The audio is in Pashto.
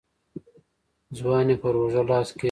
ځوان يې پر اوږه لاس کېښود.